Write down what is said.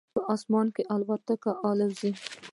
په اسمان کې الوتکه الوزي